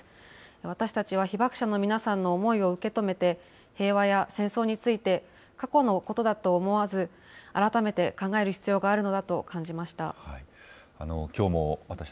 私たちは被爆者の皆さんの思いを受け止めて、平和や戦争について過去のことだと思わず、改めて考える必要があるのだと感じました。